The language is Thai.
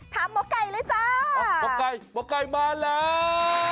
ถามหมอกไก่เลยจ้าหมอกไก่มาแล้ว